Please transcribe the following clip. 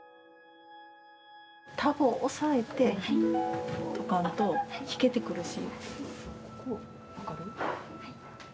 高う押さえてとかんと引けてくるし。